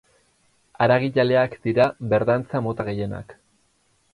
Haragijaleak dira berdantza mota gehienak.